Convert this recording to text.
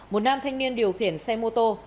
một nam thanh niên điều khiển xe mô tô